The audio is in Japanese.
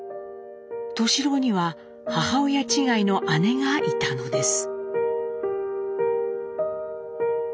敏郎には母親違いの姉がいたのです。